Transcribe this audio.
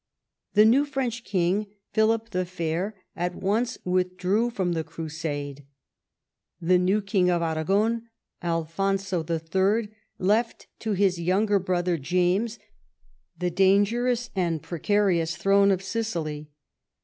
The new French king, Philip the Fair, at once withdrew from the Crusade. The new King of Aragon, Alfonso III., left to his younger brother James the dangei'ous and pre carious throne of Sicily.